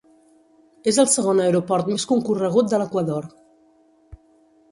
És el segon aeroport més concorregut de l'Equador.